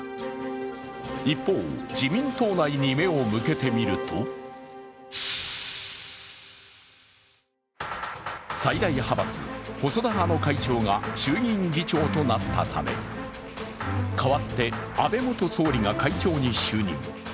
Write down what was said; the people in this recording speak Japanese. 一方、自民党内に目を向けてみると最大派閥、細田派の会長が衆議院議長となったため代わって、安倍元総理が会長に就任。